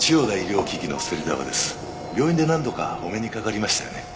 病院で何度かお目にかかりましたよね？